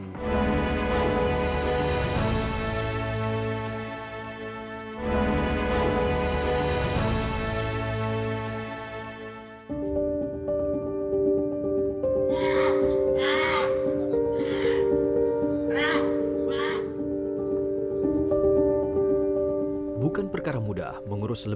maksudnya tidak sesuai